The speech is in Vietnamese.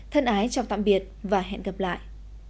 thân ái chào tạm biệt và hẹn gặp lại